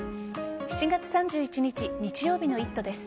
７月３１日日曜日の「イット！」です。